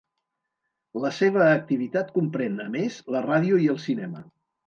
La seva activitat comprèn, a més, la ràdio i el cinema.